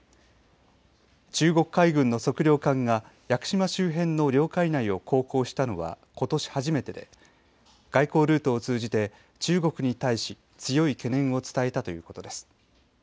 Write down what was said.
中国海軍の測量艦が屋久島周辺の領海内を航行したのはことし初めてで外交ルートを通じて中国に対し強い懸念を伝えたということです。